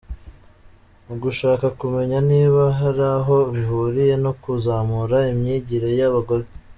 Mu gushaka kumenya niba hari aho bihuriye no kuzamura imyigire y’abagore.